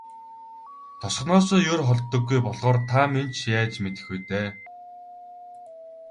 Тосгоноосоо ер холддоггүй болохоор та минь ч яаж мэдэх вэ дээ.